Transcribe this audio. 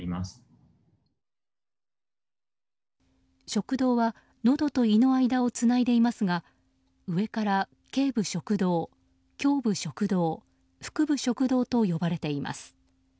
食道はのどと胃の間をつないでいますが上から頸部食道、胸部食道腹部食堂と呼ばれています。